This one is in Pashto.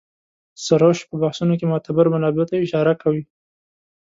سروش په بحثونو کې معتبرو منابعو ته اشاره کوي.